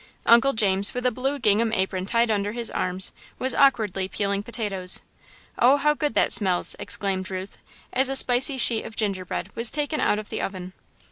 Uncle James, with a blue gingham apron tied under his arms, was awkwardly peeling potatoes. "Oh, how good that smells!" exclaimed Ruth, as a spicy sheet of gingerbread was taken out of the oven.